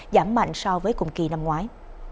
giảm mạnh so với cùng kỳ năm ngoái